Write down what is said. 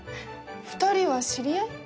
２人は知り合い？